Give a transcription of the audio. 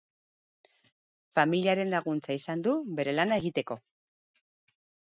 Familiaren laguntza izan du bere lana egiteko.